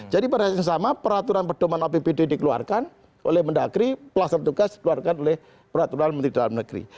pada saat yang sama peraturan perdoman apbd dikeluarkan oleh mendagri pelaksanaan tugas dikeluarkan oleh peraturan menteri dalam negeri